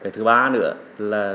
thứ ba nữa là